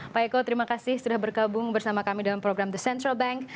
pak eko terima kasih sudah bergabung bersama kami dalam program the central bank